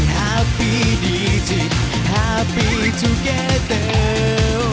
แฮปปี้ดีจิตแฮปปี้ทูเกตเตอร์